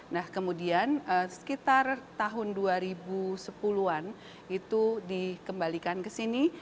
nah kemudian sekitar tahun dua ribu sepuluh an itu dikembalikan ke sini